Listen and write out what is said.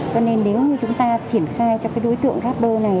cho nên nếu như chúng ta triển khai cho cái đối tượng gắp đôi này